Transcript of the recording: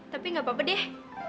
tapi gak apa apa deh